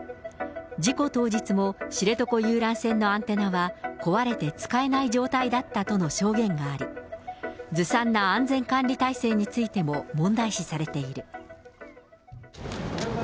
事故当日も、知床遊覧船のアンテナは壊れて使えない状態だったとの証言があり、ずさんな安全管理体制についても問題視されている。